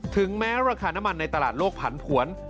ถึงแม้ราคาน้ำมันในตลาดโลกผันผวน